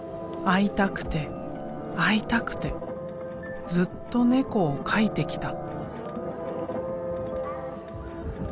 会いたくて会いたくてずっと猫を描いてきた。